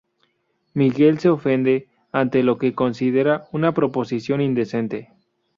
Miguel se ofende ante lo que considera una proposición indecente.